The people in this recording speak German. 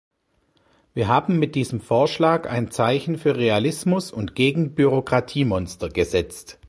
Wir haben mit diesem Vorschlag ein Zeichen für Realismus und gegen Bürokratiemonster gesetzt.